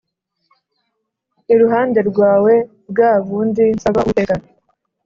iruhande rwawe bwa bundi nsaba Uwiteka